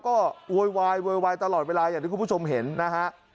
ก็โวยวายโวยวายตลอดเวลาอย่างที่คุณผู้ชมเห็นนะฮะ